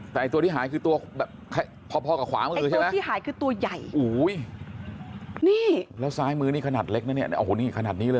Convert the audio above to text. แต่ตัวที่หายคือตัวพอกับขวามึงใช่ไหมตัวที่หายคือตัวใหญ่แล้วซ้ายมือนี่ขนาดเล็กนะเนี่ยขนาดนี้เลย